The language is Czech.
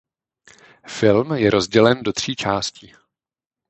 Film je rozdělen do tří částí.